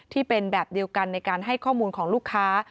ที่เป็นแบบเดียวกันในการให้ข้อมูลของลูกค้า